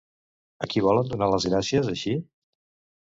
A qui volen donar les gràcies, així?